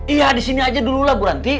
iya di sini aja dululah bu ranti